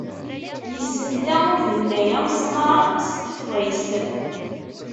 Yessenta ubennay amesmaṛ s tefḍist.